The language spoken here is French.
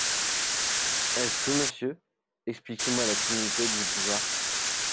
Est-ce tout, monsieur ? Expliquez-moi la Trinité dit Bouvard.